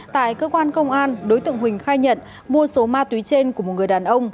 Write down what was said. tại cơ quan công an đối tượng huỳnh khai nhận mua số ma túy trên của một người đàn ông